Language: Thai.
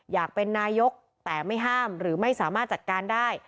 อยากเป็นนายกแต่ไม่ห้ามหรือไม่สามารถจัดการได้